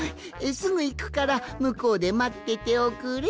すぐいくからむこうでまってておくれ。